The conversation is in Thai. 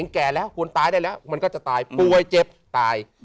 แก่แล้วคนตายได้แล้วมันก็จะตายป่วยเจ็บตาย